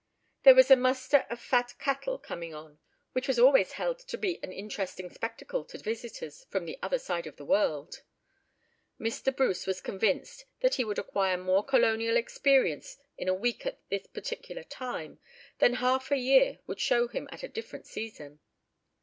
There was a muster of fat cattle coming on, which was always held to be an interesting spectacle to visitors from the other side of the world. Mr. Bruce was convinced that he would acquire more colonial experience in a week at this particular time, than half a year would show him at a different season.